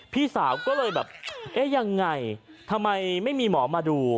พี่สาวก็เลยแบบเอ๊ะยังไงทำไมไม่มีหมอมาดู